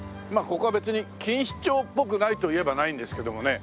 ここは別に錦糸町っぽくないといえばないんですけどもね。